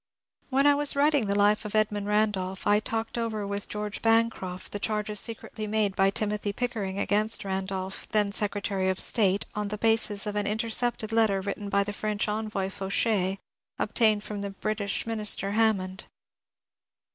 When I was writing the Life of Edmund Randolph, I talked over with George Bancroft the charges secretly made by Timothy Pickering against Randolph, then Secretary of State, on the basis of an intercepted letter written by the French envoy, Fauchet, obtained from the British Minister, Hammond.